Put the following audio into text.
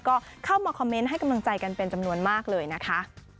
ก็เข้ามาคอมเมนต์ให้กำลังใจกันเป็นจำนวนมากเลยนะคะ